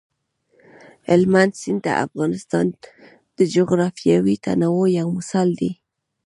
هلمند سیند د افغانستان د جغرافیوي تنوع یو مثال دی.